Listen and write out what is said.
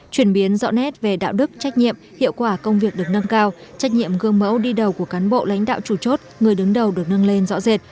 chuyển biến rõ nét về đạo đức trách nhiệm hiệu quả công việc được nâng cao trách nhiệm gương mẫu đi đầu của cán bộ lãnh đạo chủ chốt người đứng đầu được nâng lên rõ rệt